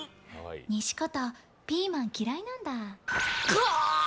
西片、ピーマン嫌いなんだ？